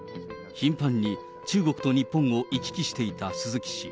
頻繁に中国と日本を行き来していた鈴木氏。